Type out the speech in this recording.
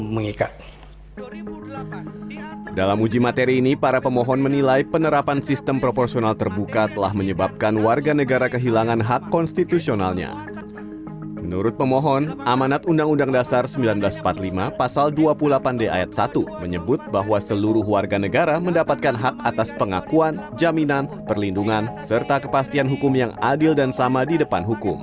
pemerintah menilai bahwa sistem proporsional terbuka merupakan sistem pemilu terbaik untuk diterapkan di indonesia